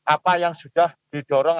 apa yang sudah didorong